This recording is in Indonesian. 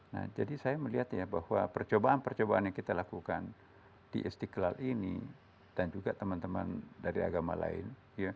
nah jadi saya melihat ya bahwa percobaan percobaan yang kita lakukan di istiqlal ini dan juga teman teman dari agama lain